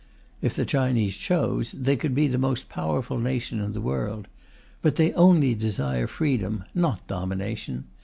If the Chinese chose, they could be the most powerful nation in the world. But they only desire freedom, not domination.